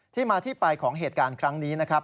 ที่มาที่ไปของเหตุการณ์ครั้งนี้นะครับ